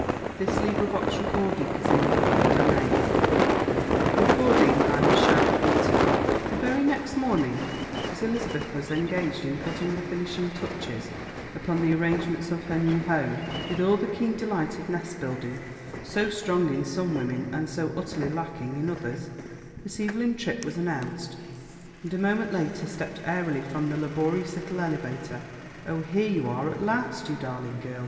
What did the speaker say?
"I wouldn't hurt Evelyn's feelings for the world," she said, "but I I'll try." CHAPTER VII The very next morning as Elizabeth was engaged in putting the finishing touches upon the arrangements of her new home, with all the keen delight of nest building, so strong in some women and so utterly lacking in others, Miss Evelyn Tripp was announced, and a moment later stepped airily from the laborious little elevator. "Oh, here you are at last, you darling girl!"